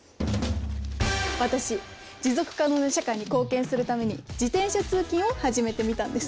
私持続可能な社会に貢献するために自転車通勤を始めてみたんです。